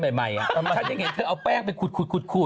ฉันยังเห็นที่เอาแปลกไปขุดขุด